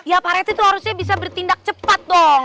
ya parete tuh harusnya bisa bertindak cepat dong